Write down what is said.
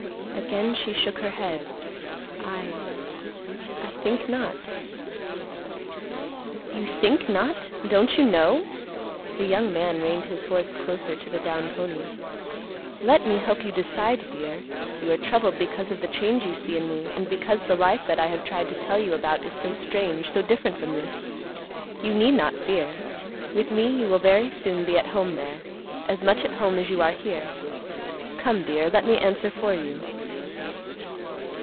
Again she shook her head, "I—I think not." "You think not! Don't you know?" The young man reined his horse closer to the brown pony. "Let me help you decide, dear. You are troubled because of the change you see in me, and because the life that I have tried to tell you about is so strange, so different from this. You need not fear. With me, you will very soon be at home there; as much at home as you are here. Come, dear, let me answer for you."